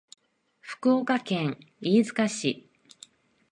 福岡県飯塚市